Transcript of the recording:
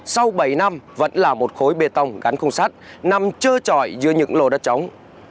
sau bảy năm vẫn là một khối bê tông gắn khung sắt nằm trơ trọi dưới những lô đất trống